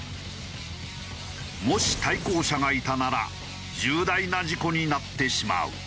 もし対向車がいたなら重大な事故になってしまう。